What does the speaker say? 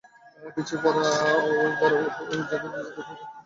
পিছিয়ে পড়ে ওয়েঙ্গারও যেন নিজের তুণের একেকটা তির ছুড়তে শুরু করেন।